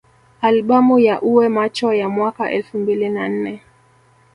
Albamu ya Uwe Macho ya mwaka elfu mbili na nne